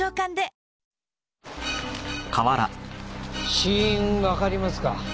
死因わかりますか？